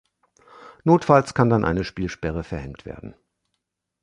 Notfalls kann dann eine Spielsperre verhängt werden.